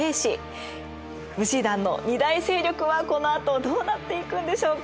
武士団の２大勢力はこのあとどうなっていくんでしょうか？